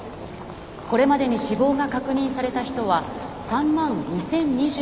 これまでに死亡が確認された人は３万２，０２５人になりました。